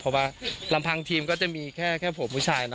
เพราะว่าลำพังทีมก็จะมีแค่ผมผู้ชายนะ